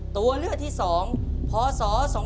ตัวเลือกที่๒พศ๒๕๖